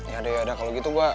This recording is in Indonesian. yaudah yaudah kalau gitu gue